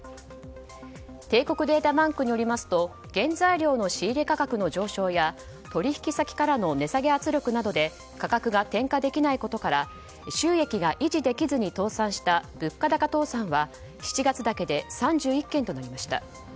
帝国データバンクによりますと原材料の仕入れ価格の上昇や取引先からの値下げ圧力などで価格が転嫁できないことから収益が維持できずに倒産した物価高倒産は７月だけで３１件となりました。